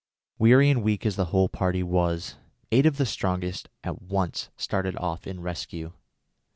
Weary and weak as the whole party was, eight of the strongest at once started off in rescue.